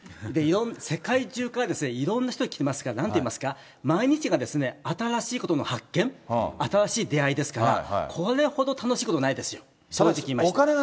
世界中からいろんな人が来ますから、なんて言いますか、毎日が新しいことの発見、新しい出会いですから、これほど楽しいことないですよ、正直言いまして。